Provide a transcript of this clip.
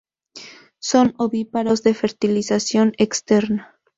Son ovíparos de fertilización externa.